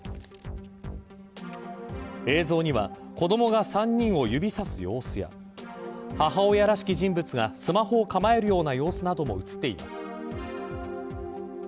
映像には子どもが３人を指差す様子や母親らしき人物がスマホを構えるような様子なども映っています。